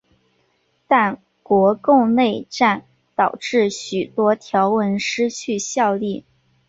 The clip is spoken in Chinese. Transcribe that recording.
但国共内战导致许多条文失去效力。